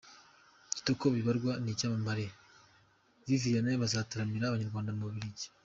Kitoko Bibarwa n’icyamamare Viviyane bazataramira Abanyarwanda mu Bubiligi